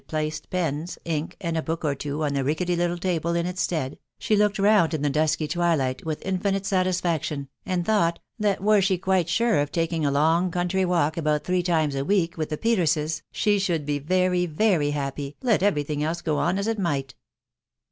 j59 pens, ink, and a book or two, on the rickety little table •it* stead, she looked round in the dnaky twilight with infl satisfaction, and thought, that were she quite sure at taking a long country walk about three times a week with die Irterses, she should be very, very happy, let every thing else go on as it might.